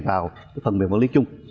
vào phần mềm quản lý chung